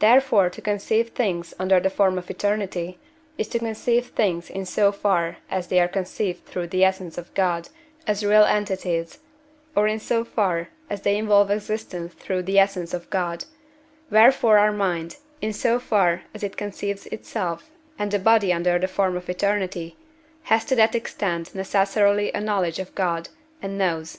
Therefore to conceive things under the form of eternity, is to conceive things in so far as they are conceived through the essence of God as real entities, or in so far as they involve existence through the essence of God; wherefore our mind, in so far as it conceives itself and the body under the form of eternity, has to that extent necessarily a knowledge of God, and knows, &c.